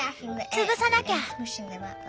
潰さなきゃ。